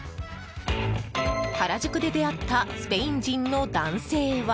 原宿で出会ったスペイン人の男性は。